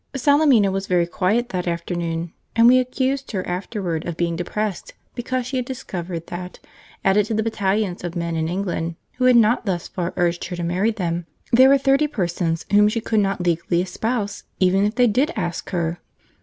Salemina was very quiet that afternoon, and we accused her afterwards of being depressed because she had discovered that, added to the battalions of men in England who had not thus far urged her to marry them, there were thirty persons whom she could not legally espouse even if they did ask her!